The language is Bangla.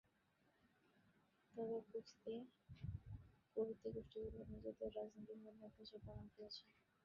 তবে কুর্দি গোষ্ঠীগুলো নিজেদের রাজনৈতিকভাবে দায়িত্বশীল প্রমাণ করেছে।